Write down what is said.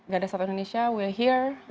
gadasat indonesia we are here